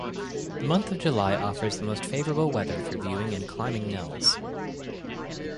The month of July offers the most favorable weather for viewing and climbing Nelles.